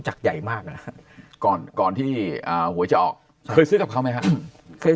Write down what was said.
จักใหญ่มากก่อนก่อนที่หัวจะออกเคยซื้อกับเขาไหมครับเคย